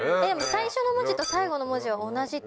最初の文字と最後の文字は同じってこと？